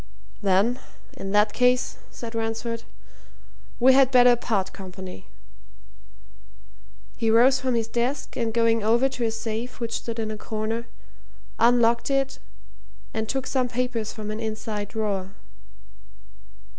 "Then, in that case," said Ransford, "we had better part company." He rose from his desk, and going over to a safe which stood in a corner, unlocked it and took some papers from an inside drawer.